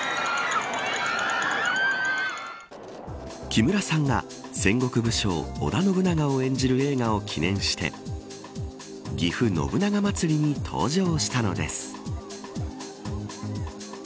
木村さんが戦国武将、織田信長を演じる映画を記念してぎふ信長まつりに登場したのです。